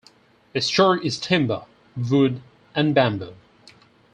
Its church is timber, wood, and bamboo.